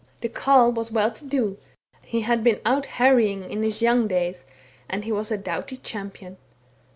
The Carle was well to do, he had been out harrying in his young days, and he was a doughty champion.